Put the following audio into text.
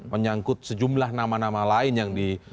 menyangkut sejumlah nama nama lain yang di